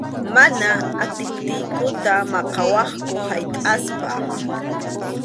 Mana atiptiykuta maqawaqku haytʼaspa.